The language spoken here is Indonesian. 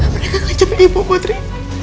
mereka ngajak ibu putri